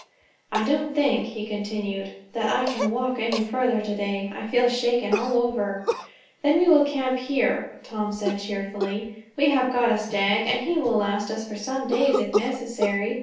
"I don't think," he continued, "that I can walk any farther today. I feel shaken all over." "Then we will camp where we are," Tom said cheerfully. "We have got a stag, and he will last us for some days, if necessary.